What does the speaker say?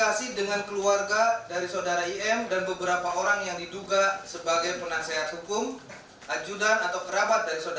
anjudan atau kerabat dari saudara im